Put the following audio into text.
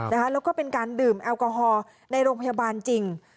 แล้วก็เป็นการดื่มแอลกอฮอล์ในโรงพยาบาลจริง